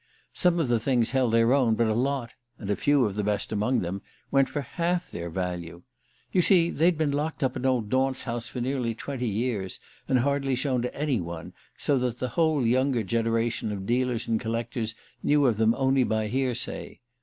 Some of the things held their own, but a lot and a few of the best among them went for half their value. You see, they'd been locked up in old Daunt's house for nearly twenty years, and hardly shown to any one, so that the whole younger generation of dealers and collectors knew of them only by hearsay.